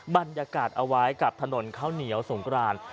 บรรยากาศเอาไว้กับถนนข้าวเหนียวสงกราน